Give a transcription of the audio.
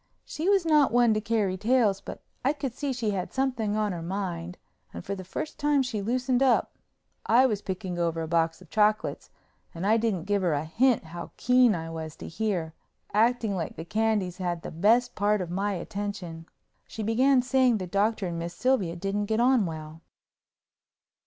She was not one to carry tales, but I could see she had something on her mind and for the first time she loosened up. I was picking over a box of chocolates and I didn't give her a hint how keen I was to hear, acting like the candies had the best part of my attention. She began by saying the Doctor and Miss Sylvia didn't get on well.